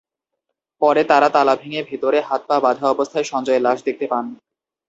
পরে তাঁরা তালা ভেঙে ভেতরে হাত-পা বাঁধা অবস্থায় সঞ্জয়ের লাশ দেখতে পান।